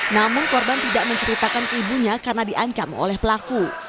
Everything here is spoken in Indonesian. namun korban tidak menceritakan ke ibunya karena diancam oleh pelaku